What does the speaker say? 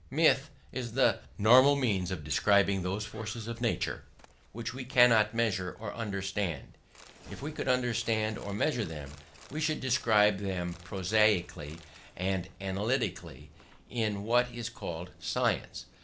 Myth is the normal means of describing those forces of nature which we cannot measure or understand; if we could understand or measure them we should describe them prosaically and analytically, in what is called science.